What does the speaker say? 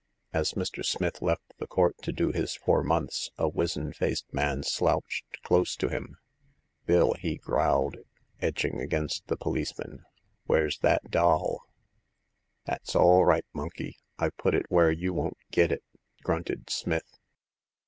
As Mr. Smith left the court to do his four months, a wizen faced man slouched close to him. Bill," he growled, edging against the police jnan, " where 's that doll 1 " The Seventh Customer. 185 " That's all right, Monkey ! IVe put it where you won't git it !" grunted Smith.